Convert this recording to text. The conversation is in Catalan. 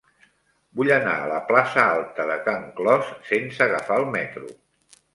Vull anar a la plaça Alta de Can Clos sense agafar el metro.